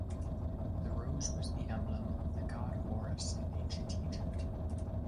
The rose was the emblem of the god Horus in ancient Egypt.